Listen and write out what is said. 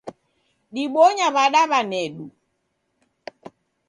Dibonya w'ada w'anedu?